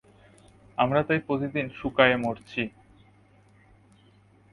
আমরা তাই প্রতিদিন শুকিয়ে মরছি।